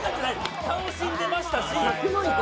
楽しんでましたし！